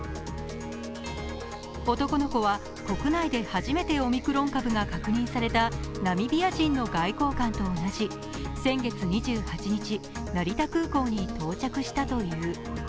男の子は国内で初めてオミクロン株が確認されたナミビア人の外交官と同じ先月２８日、成田空港に到着したという。